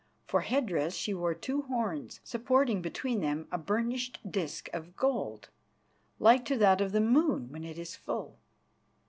For head dress she wore two horns, supporting between them a burnished disc of gold like to that of the moon when it is full.